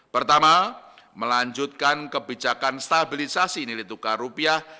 pertama melanjutkan kebijakan stabilisasi nilai tukar rupiah